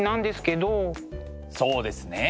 そうですね。